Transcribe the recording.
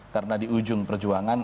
karena di ujung perjuangan